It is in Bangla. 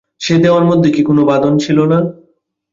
সে দেওয়ার মধ্যে কি কোনো বাঁধন ছিল না।